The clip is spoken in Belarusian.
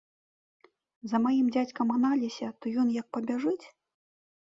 За маім дзядзькам гналіся, то ён як пабяжыць!